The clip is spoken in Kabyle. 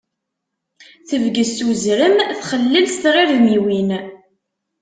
Tebges s uzrem, txellel s tɣirdmiwin.